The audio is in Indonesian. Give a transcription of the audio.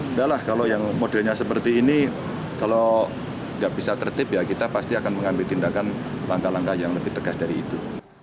enggak lah kalau yang modelnya seperti ini kalau nggak bisa tertip ya kita pasti akan mengambil tindakan langkah langkah yang lebih tegas dari itu